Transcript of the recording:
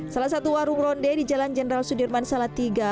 salah satu warung ronde di jalan jenderal sudirman salatiga